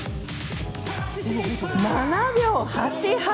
７秒８８！